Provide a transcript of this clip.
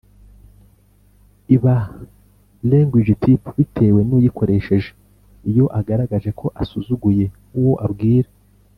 iba language tip bitewe n‘uyikoresheje iyo agaragaje ko asuzuguye uwo abwira.